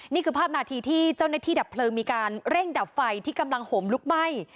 นี่คือภาพนาทีที่เจ้าหน้าที่ดับเพลิงมีการเร่งดับไฟที่กำลังห่มลุกไหม้